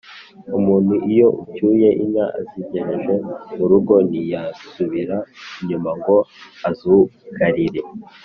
Umuntu iyo acyuye inka azigejeje mu rugo ntiyasubira inyuma ngo azugarire